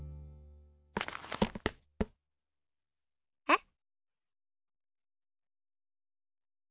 えっ？